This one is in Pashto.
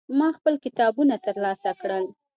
ما خپل کتابونه ترلاسه کړل.